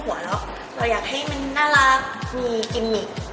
เราอยากให้มันน่ารักมีกิมมิก